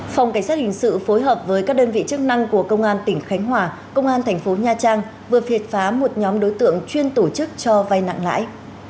phòng cảnh sát hình sự phối hợp với các đơn vị chức năng của công an tỉnh khánh hòa công an thành phố nha trang vừa triệt phá một nhóm đối tượng chuyên tổ chức cho vay nặng lãi